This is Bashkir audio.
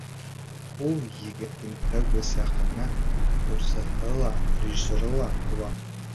Ул егеттең тәүге сәхнә уҡытыусыһы ла, режиссеры ла була.